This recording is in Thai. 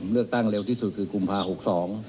เลือกตั้งเร็วที่สุดคือกุมภาหกสอง